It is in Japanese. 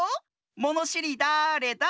「ものしりだれだ？」